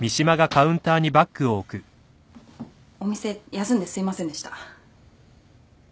お店休んですいませんでした。